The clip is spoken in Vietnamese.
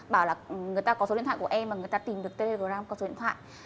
bảo là người ta có số điện thoại của em và người ta tìm được telegram có số điện thoại